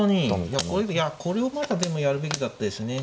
いやこれをまだでもやるべきだったですね。